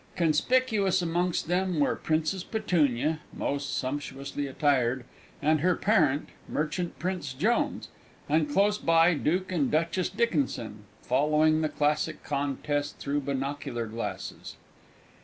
Conspicuous amongst them were Princess Petunia (most sumptuously attired) and her parent, Merchant prince Jones; and close by Duke and Duchess Dickinson, following the classic contest through binocular glasses.